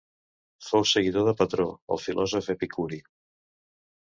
Fou seguidor de Patró, el filòsof epicuri.